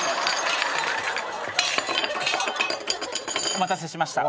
お待たせしました。